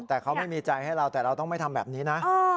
แต่เขาไม่มีใจให้เราแต่เราต้องไม่ทำแบบนี้นะ